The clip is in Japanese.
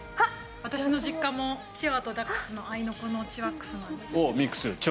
私の実家もチワワとダックスのチワックスなんですけど。